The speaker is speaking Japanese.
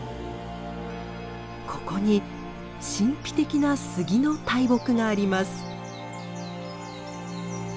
ここに神秘的なスギの大木があります。